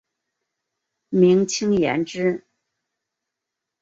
明清延之。